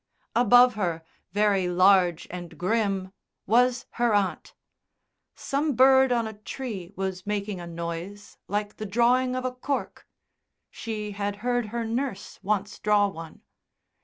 Above her, very large and grim, was her aunt. Some bird on a tree was making a noise like the drawing of a cork. (She had heard her nurse once draw one.)